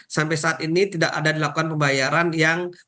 sampai saat ini tidak ada dilakukan pembayaran yang